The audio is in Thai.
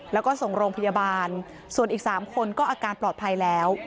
แล้วก็ส่งโรงพยาบาลส่วนอีก๓คนก็อาการปลอดภัยแล้ว